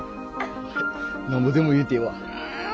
なんぼでも言うてええわ。